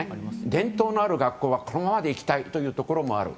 伝統のある学校はこのままでいきたいというところもある。